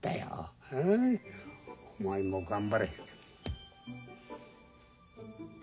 お前も頑張れ。